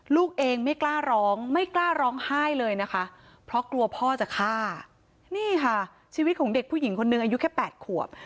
ลูกเองไม่กล้าร้องไม่กล้าร้องไห้เลยนะคะเพราะกลัวพ่อจะฆ่านี่ค่ะชีวิตของเด็กผู้หญิงคนนึงอายุแค่๘ขวบ